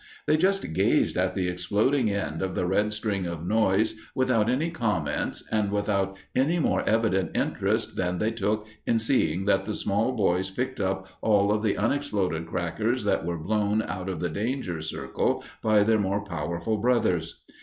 They just gazed at the exploding end of the red string of noise without any comments and without any more evident interest than they took in seeing that the small boys picked up all of the unexploded crackers that were blown out of the danger circle by their more powerful brothers.